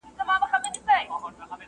دې سړو وینو ته مي اور ورکړه.!